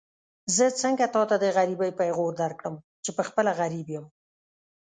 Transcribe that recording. زه څنګه تاته د غريبۍ پېغور درکړم چې پخپله غريب يم.